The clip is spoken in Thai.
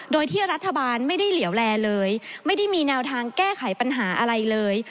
โดยที่รัฐบาลไม่ได้เหลี่ยวแลเลยไม่ได้มีแนวทางแก้ไขปัญหาอะไรเลย